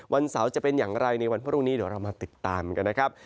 วันเสาร์จะเป็นอย่างไรในวันพรุ่งนี้เดี๋ยวเรามาติดตามกันนะครับ